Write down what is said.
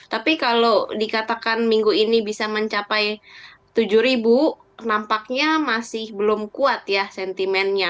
tapi kalau dikatakan minggu ini bisa mencapai tujuh ribu nampaknya masih belum kuat ya sentimennya